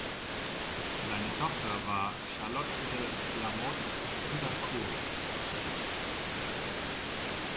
Seine Tochter war Charlotte de La Mothe-Houdancourt.